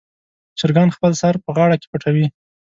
چرګان خپل سر په غاړه کې پټوي.